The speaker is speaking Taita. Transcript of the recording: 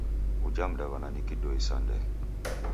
Uja mdaw'ana ni kidoi sa ndee.